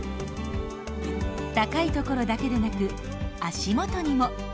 高いところだけでなく足元にも。